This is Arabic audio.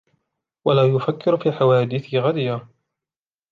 وَلَا يُفَكِّرُ فِي حَوَادِثِ غَدِيَ